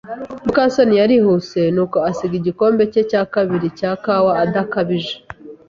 muka soni yarihuse nuko asiga igikombe cye cya kabiri cya kawa adakabije.